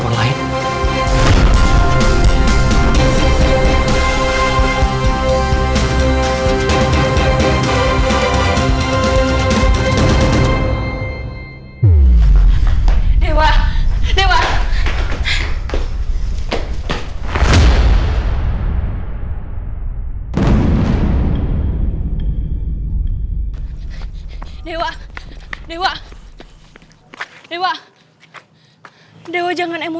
papa dipercaya sama mama